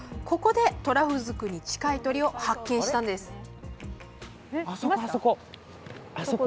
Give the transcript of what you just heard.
ここで、トラフズクに近い鳥を発見したんです！